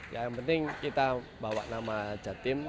yang penting kita bawa nama jatim